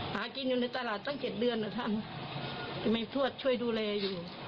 หากินอยู่ในตลาดตั้ง๗เดือนเหรอท่านทำไมทวดช่วยดูแลอยู่